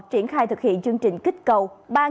triển khai thực hiện chương trình kích cầu